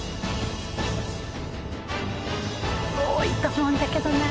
多いと思うんだけどな。